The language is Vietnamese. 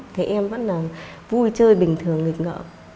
thì em vẫn là vui chơi bình thường nghịch ngợ